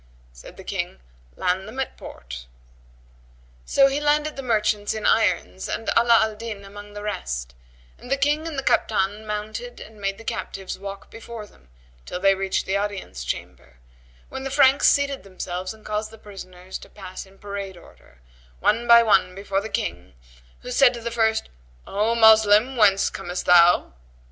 Said the King, "Land them at the port:" so he landed the merchants in irons and Ala al Din among the rest; and the King and the Kaptan mounted and made the captives walk before them till they reached the audience chamber, when the Franks seated themselves and caused the prisoners to pass in parade order, one by one before the King who said to the first, "O Moslem, whence comest thou?"